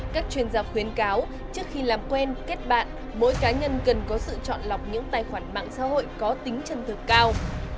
các chuyên gia khuyến cáo trước khi làm quen kết bạn mỗi cá nhân cần có sự chọn lọc những tài khoản mạng xã hội có tính chân thực cao